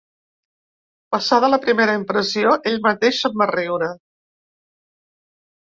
Passada la primera impressió ell mateix se'n va riure